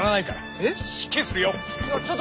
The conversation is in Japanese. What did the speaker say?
えっ？